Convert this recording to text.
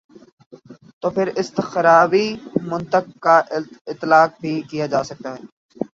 تو پھر استخراجی منطق کا اطلاق بھی کیا جا سکتا ہے۔